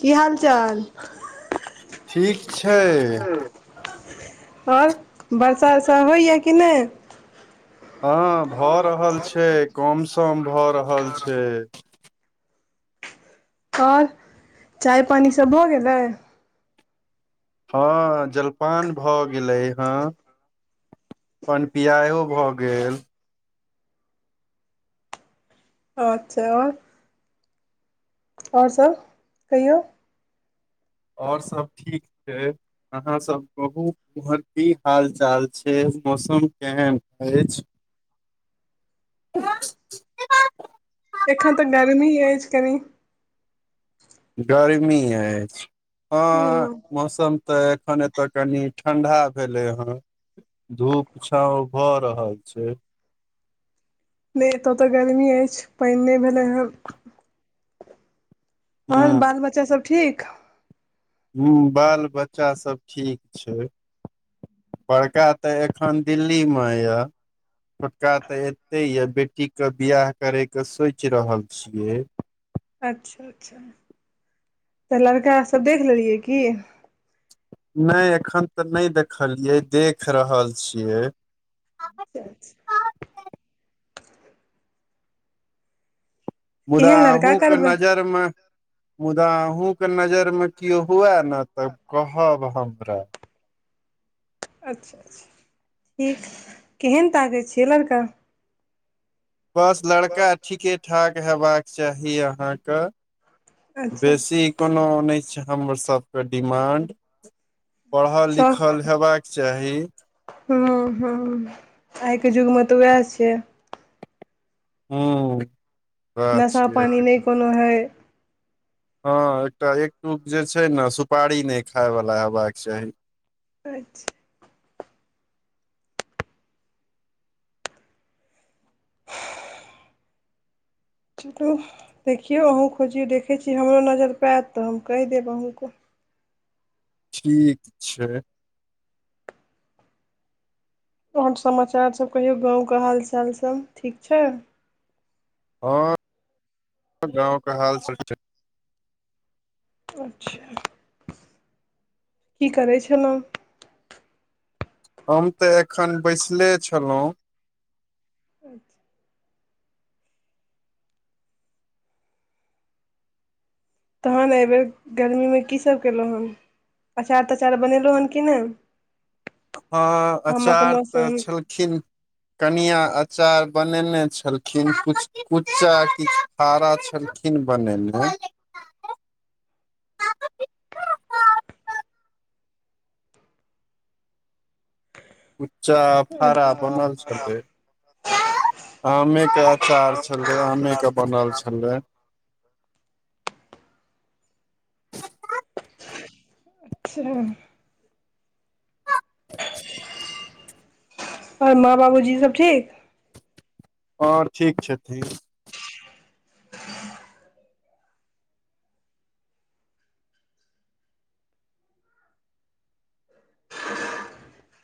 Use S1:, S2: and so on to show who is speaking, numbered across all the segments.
S1: की हालचाल
S2: ठीक छै
S1: आओर बर्षा उर्षा होइया कि नहि
S2: हँ भऽ रहल छै कम सम भऽ रहल छै
S1: आओर चाय पानि सब भ गेलै
S2: हँ, जलपान भ गेलै हँ। पन पियाहो भ गेल
S1: अच्छा और। आओर सभ कहियौ
S2: ओर सभ ठीक छै। आहाँ सब कहू उमहर की हाल चाल छै मौसम केहन अछि ह [inaudible]
S1: ताँ तऽ गर्मी अछिज करी
S2: गरमी अछि
S1: हूँ
S2: हँ। मौसम तऽ एखन एतऽ कनि ठंडा भेले हऽ धूप छाव भऽ रहल छै।
S1: नहि एतय तऽ गर्मी अछि पानि नहि भेलै हन
S2: ह
S1: ओर बाल-बच्चा सभ ठीक।
S2: ह्म बाल बच्चा सब ठीक छै बड़का तऽ एखन दिल्ली मे यऽ। पक्का ते एते ये बेटी कऽ बियाह करे के सोच रहल छिये
S1: अच्छा अच्छा तऽ लड़कास सब देख लेलियै की
S2: नहि एखन तऽ नहि देखलियै देख रहल छियै
S1: [unintelligible]
S2: मुदा
S1: केहन लड़का
S2: अहूँके
S1: करबै
S2: नजरिमे। मुदा अहूँके नजरिमे हँ। ना तब कहब हमरा
S1: अच्छा अच्छा ठीक केहन ताकैत छियै लड़का
S2: बस लड़का ठीके ठाक हेबाक चाही अहाँके
S1: अच्छा
S2: बेसी कोनो नहि छै हमर सभ के डिमान्ड पढ़ल-लिखल हेबाक चाही।
S1: ह ह आइ के युग मे तऽ उएह छै
S2: ह
S1: नशा-पानि कोनो नहि अछि।
S2: हँ एकटा एकटु जे छै ने सुपारी नहि खाय वाला हेबाक चाही
S1: अच्छ चलू देखियौ अहूँ खोजियौ देखै छियै हमरो नजरि पर आयत तऽ हम कहि देब अहूके
S2: ठीक छै
S1: आओर समाचार सब कहियौ गाँवके हालचाल सब ठीक छै
S2: हँ गाँव के हाल सब छै ठीक [unintelligible]
S1: अच्छा। [unintelligible] की करै छलहुँ
S2: हम तऽ एखन बैसले छलहुँ
S1: तहन एहिबेर गर्मीमे की सब केलहुँ हम अचार तचार बनेलौ हन कि नहि
S2: हँ
S1: आमक
S2: आचार्य तऽ
S1: मौसम
S2: छलखिन। कनिआ अचार बनेने छलखिन कुछ-कुच्चा कि आरा छलखिन बनेने। उच्चा फारा
S1: अच्छा
S2: बनल छै आमे के अचार छल आमे के बनल छलै
S1: अच्छा। [unintelligible] आओर माँ बाबू जी सब ठीक
S2: आओर ठीक छथि ठन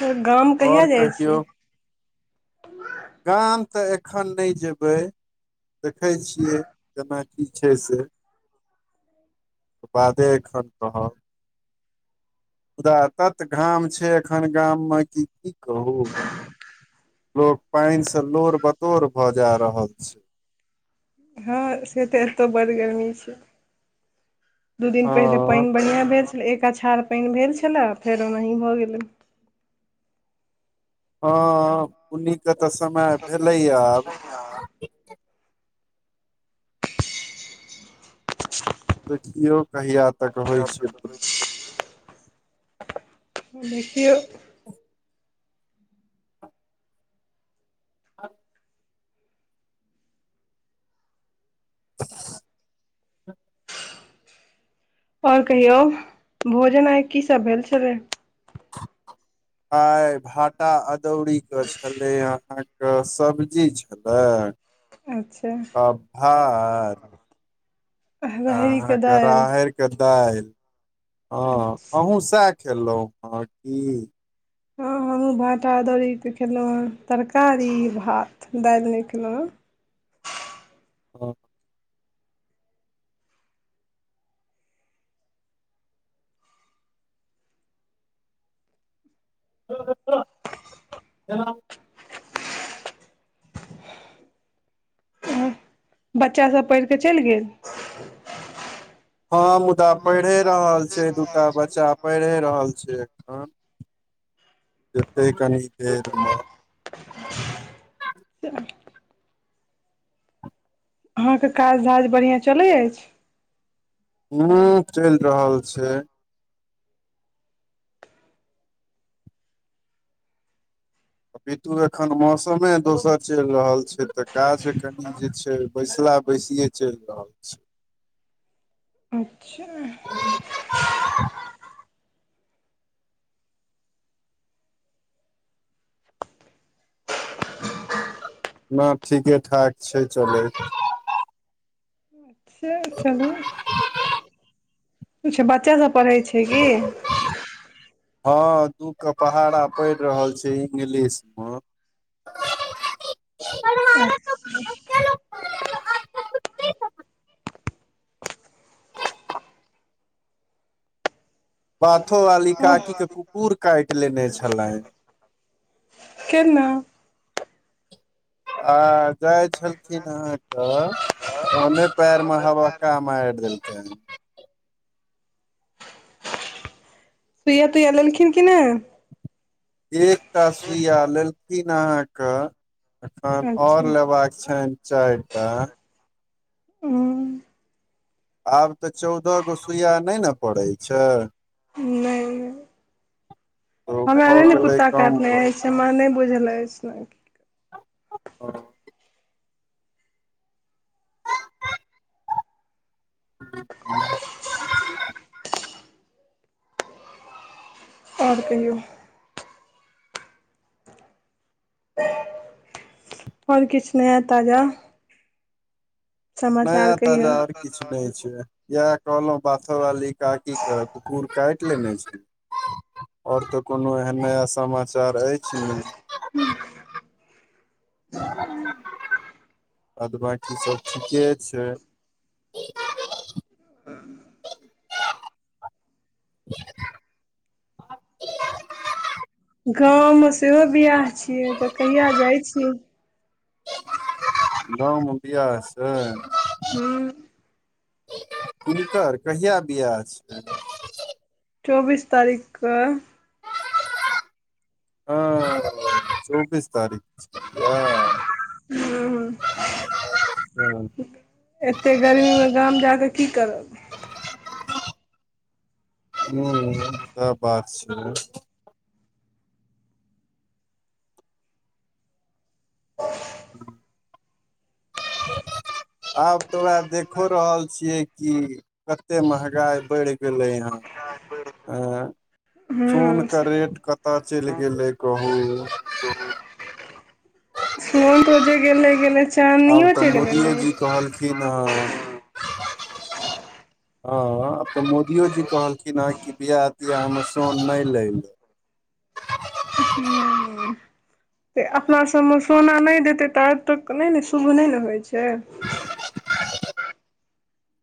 S1: तऽ गाम कहिय
S2: और
S1: जाइ छियै
S2: कहियौ गाम तऽ एखन नहि जेबै देखै छियै केना की छै से ओ बादे एखन कहब मुदा तत घाम छै एखन गाममे कि की कहू लोग पान से लोर बतोर भ जा रहल छै
S1: हँ से तऽ एतहु ब् गरमी छै दू दिन पहिले
S2: हँ
S1: पानि बढ़िआँ भेल छलै एक अचछाड़ पानि भेल छलै फेर ओनाही भऽ गेलै
S2: हँ पुन्नीके तऽ समय भेलैए आब
S1: [unintelligible]
S2: देखियौ कहिया तक होइ छै
S1: देखिय
S2: आ
S1: आऔर कहियौ भोजन आइ की सब भेल छले
S2: आय भाटा अदौरीी के छले अहा के सब्जी छ
S1: अच्छा
S2: अभात
S1: राहरिके
S2: अहाँके
S1: दालि
S2: राहर के दालि ह
S1: अच्छा
S2: अहुूँ सएह खेलहुं हे की
S1: हँ हमहूँ भाँटादौड़ीके खेलहुँ हेँ तरकारी भात दालि नहि खेलहुँ हेँ
S2: ह ह हना
S1: बच्चा सब पढ़ कऽ चलि गेल
S2: ह मुदा पढ़ए रहल छै दूटा बच्चा पढ़ए रहल छै एखन जतेक कनी छै
S1: अहाँके काज धाज बढ़िआं चलैत अछि
S2: ह चलि रहल छै अप पितु एखन मौसमे दोसर चलि रहल छै तऽ काज कनी जे छै बैसला बैसिये चलि रहल छै
S1: अच्छा
S2: नहि ठीके ठाक छै चलैत छै
S1: से चलू किछ बच्चा सब पढ़ै छै की
S2: ह दुख के पहाड़ा पड़ि रहल छै इंगलिश में
S1: ह
S2: बाथो वाली
S1: अच्छा
S2: काकी के कुकुर काटि लेने छले
S1: केना
S2: आ जाय छलखिन अहााँके ओने पयर में हवक्का मारि देलखिन ह
S1: सुइया तुय लेल लेलखिन क नहि
S2: एकटा सुूइया लेलथिनन अहाँके अखन
S1: अच्छा
S2: और लेबाका छनि चारिटा
S1: हूँ
S2: आब तऽ चौदह गो बियाह नहि ने पड़ैत छै
S1: ह
S2: तऽ
S1: हमरा
S2: भऽ
S1: नहि ने
S2: गेलै
S1: कुत्ता
S2: कम
S1: काटने अछि हमरा नहि बुझल अछि ने
S2: आर ह
S1: आओर कहियौ आओर किछ नहि ताजा समाचार
S2: नहि ताजा
S1: कहियौ
S2: आर किछु नहि नहि छै इह कहलहु बाथो वाली काकी कह कुकुर काट े नहि आओर तऽ कोनो एहन नया समाचार अछि नहि अद बकी सब ठीके छै आ
S1: गाँवमे सेहो बिआह छियै तऽ कहिआ जाइ छीियै
S2: [inaudible] गांव में वियाह से
S1: हू
S2: हिनकर कहिया वियाह छै
S1: चौबीस तारीखक
S2: हां चौबीस तारीख क
S1: हँ ह एते गर्मीमे गाम जाकऽ की करब
S2: ह सेह बात छै
S1: [inaudible]
S2: आब तोरा देखो रहल छियै कि कतेक महँगाइ बढ़ि गेलै हँ आँ सोन
S1: हूँ
S2: के रेट कतय चलि गेलै कहू
S1: [inaudible] मोन रोजे गेले गेले
S2: आब
S1: चानियो
S2: तऽ
S1: चलि
S2: मोदियो
S1: गेलै
S2: जी कहलखिन हां
S1: [unintelligible]
S2: [unintelligible] आब त मोदियो जी कहलखिन हेँ कि बियाह त्याहमे सोन नई लै ले
S1: त अपनासभमे सोना नई देतै त आ तक नई ने शुभ नई ने होइत छै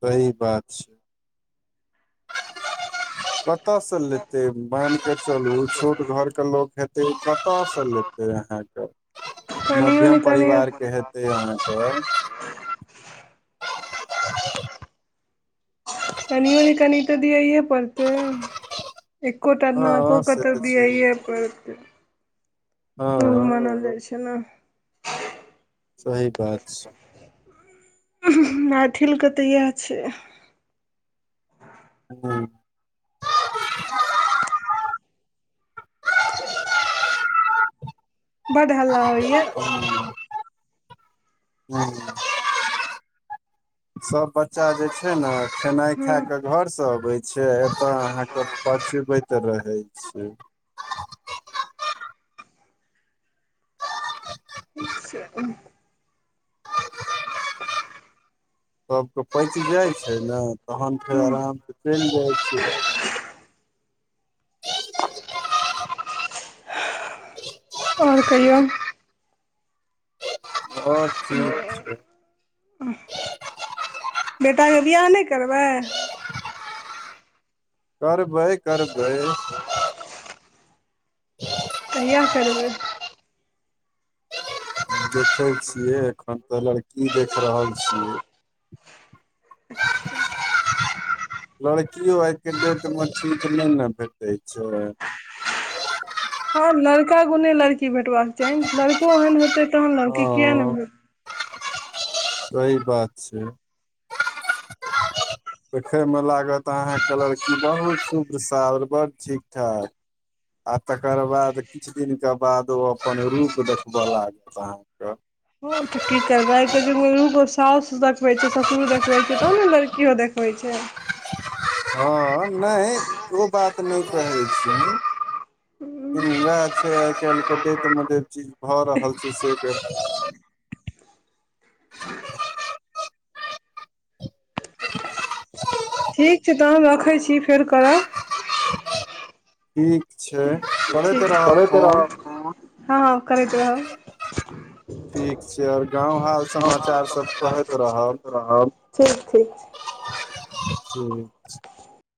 S2: सही बात छै
S1: [inaudible]
S2: कत स लेतै मैन क चलू छोट घरके लोक हेतै कत स लेतै तहाँ [inaudible]
S1: कनिऔनी कनी
S2: [unintelligible]
S1: कनिओनी कनियो त दियैए पड़तै एको टा नाको
S2: हँ
S1: के
S2: से
S1: त
S2: तऽ छै
S1: दियाए
S2: हँ
S1: शुभ मानल जाइ छै ने
S2: सही बात छै
S1: मैथिल के तऽ इएह छै
S2: हँ
S1: बड हल्ला होइए
S2: हू [inaudible] सब बच्चा जे छै ने खेनाइ
S1: हूँ
S2: खा क घर से अबे छै एतय अहाँके पचबेत त रहे छै
S1: [inaudible]
S2: सबके पैच जाइ छै न तहन फेर आरामसँ चलि जाइ छियै
S1: आओर कहियौ
S2: और
S1: आओर बेटाके बिआह नहि करबै
S2: करबै करबै
S1: कहिआा करबै
S2: देखै छियै एखन त लड़की देख रहल छियै
S1: [unintelligible]
S2: लड़कियो आई के डेट मे ठीक नाए न भेटैत छै
S1: हँ लड़का गुने लड़की भेटबाक चाही लड़को एहन होेते तहन लड़की किया ने
S2: हँ सही बात छै
S1: [unintelligible]
S2: देखय मे लागत अहाँके लड़की बहुत शुद सार बड़ ठीक ठाक आ तकर बाद किछ दिन के बाद ओ अपन रूप देखबे लागल अहा क
S1: ह तऽ की करबे आय के जुग मे सौस देखवे छै ससुर देखवे छै तहन न लड़कियो देख होइ छै
S2: हँ नहि ओ बात नहि कहै छी वएह छै आइ काल्हि के डेट में जे चीज भऽ रहल छै से
S1: आ ठीक छै तहन रखै छी फेर करब
S2: ठीक छै करैत
S1: ठीक
S2: रहब फोन
S1: हँ हँ करदब ह [unintelligible]
S2: ठीक छै आओर गाँव हाल समाचार सब कहैत रहब
S1: ह ठीक ठीक
S2: ह्म